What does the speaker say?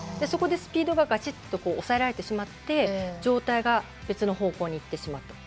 そこでスピードがかちっと抑えられてしまって上体が別の方向にいってしまった。